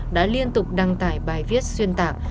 đã liên tục đăng tải bài viết xuyên tạc